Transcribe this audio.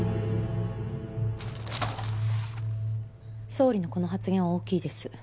総理のこの発言は大きいです。